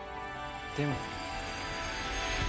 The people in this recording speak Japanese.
でも。